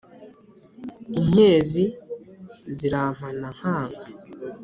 Inkenzi zirampana nkanga.